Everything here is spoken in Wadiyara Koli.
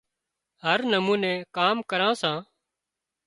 هر نموني ڪام ڪران سان